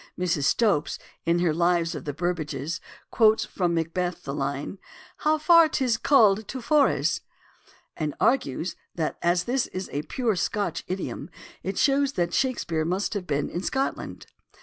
Mrs. Stopes in her Lives of the Burbages quotes from Macbeth the line, " How far is't called to Forres?" and argues that as this is a pure Scotch idiom it shows that Shakespeare must have been in Scotland.